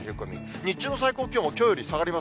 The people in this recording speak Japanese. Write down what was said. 日中の最高気温もきょうより下がります。